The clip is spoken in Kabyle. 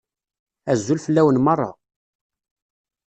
Azul fell-awen meṛṛa!